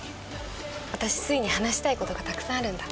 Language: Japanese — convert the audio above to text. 私、粋に話したいことがたくさんあるんだ。